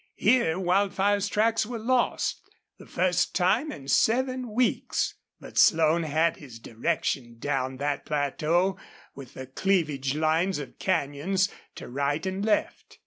Here Wildfire's tracks were lost, the first time in seven weeks. But Slone had his direction down that plateau with the cleavage lines of canyons to right and left.